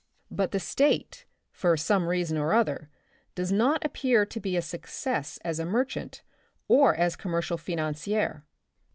But the State, for some reason or other, does not appear to be a success as a merchant or as commercial financier.